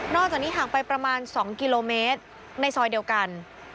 จากนี้ห่างไปประมาณ๒กิโลเมตรในซอยเดียวกัน